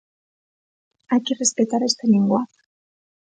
Hay que respetar esta lingua.